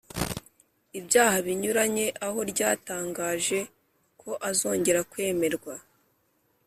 ibyaha binyuranye aho ryatangaje ko azongera kwemerwa